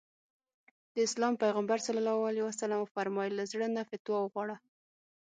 د اسلام پيغمبر ص وفرمايل له زړه نه فتوا وغواړه.